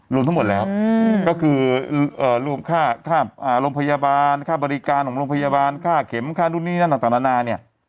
รวมทั้งหมดแล้วก็คือรวมค่าโรงพยาบาลค่าบริการของโรงพยาบาลค่าเข็มค่านู่นนี่นั่นต่างนานาเนี่ย